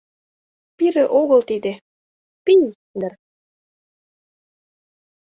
«Пире огыл тиде, пий дыр?